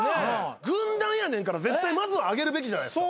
軍団やねんから絶対まずはあげるべきじゃないですか。